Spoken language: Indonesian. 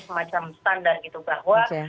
semacam standar gitu bahwa